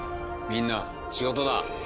みんな仕事だ。